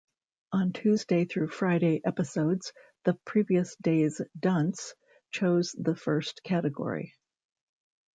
On Tuesday through Friday episodes, the previous day's dunce chose the first category.